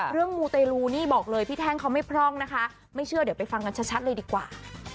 มูเตลูนี่บอกเลยพี่แท่งเขาไม่พร่องนะคะไม่เชื่อเดี๋ยวไปฟังกันชัดเลยดีกว่า